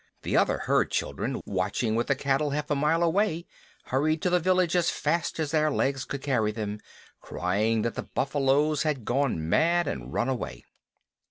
The other herd children, watching with the cattle half a mile away, hurried to the village as fast as their legs could carry them, crying that the buffaloes had gone mad and run away.